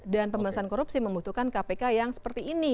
dan pemberantasan korupsi membutuhkan kpk yang seperti ini